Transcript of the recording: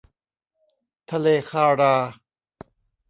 ทะเลคารา